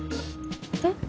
えっ？